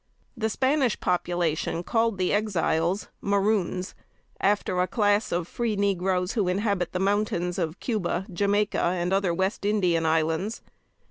The Spanish population called the Exiles "Maroons," after a class of free negroes who inhabit the mountains of Cuba, Jamaica, and other West Indian islands.